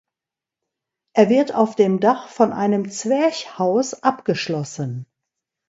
Er wird auf dem Dach von einem Zwerchhaus abgeschlossen.